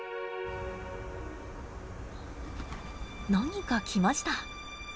何か来ました。